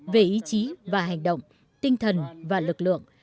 về ý chí và hành động tinh thần và lực lượng